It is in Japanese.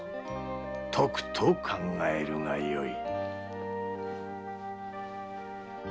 とくと考えるがよい。